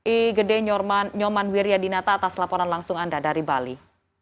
igede nyoman wiryadinata atas laporan langsung anda dari bali